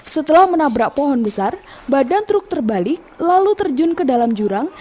setelah menabrak pohon besar badan truk terbalik lalu terjun ke dalam jurang